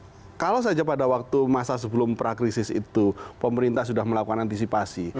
pada waktu itu karena kalau saja pada waktu masa sebelum prakrisis itu pemerintah sudah melakukan antisipasi